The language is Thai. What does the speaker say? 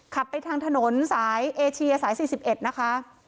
ไปทางถนนสายเอเชียสาย๔๑นะคะ